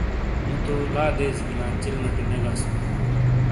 مُو تو لا دیزی بلاں چلیمٹے نے گاسوں۔